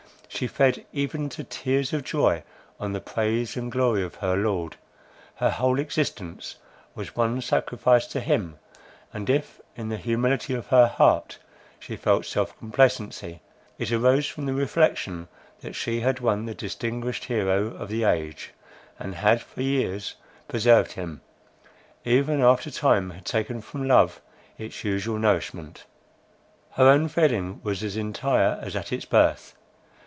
She fed even to tears of joy on the praise and glory of her Lord; her whole existence was one sacrifice to him, and if in the humility of her heart she felt self complacency, it arose from the reflection that she had won the distinguished hero of the age, and had for years preserved him, even after time had taken from love its usual nourishment. Her own feeling was as entire as at its birth.